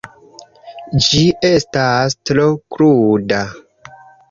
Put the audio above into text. Ĝi estas tro kruda.